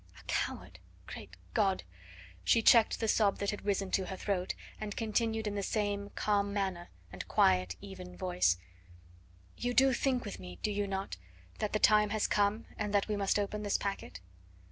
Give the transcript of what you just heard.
A coward! Great God!" She checked the sob that had risen to her throat, and continued in the same calm manner and quiet, even voice: "You do think with me, do you not, that the time has come, and that we must open this packet?"